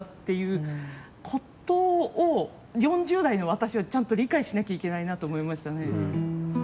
求めてるんだっていうことを４０代の私は、ちゃんと理解しなきゃいけないなと思いましたね。